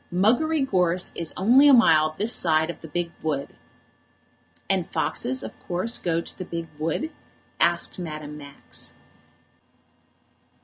Muggery Gorse is only a mile this side of the big wood." "And foxes of course go to the big wood?" asked Madame Max.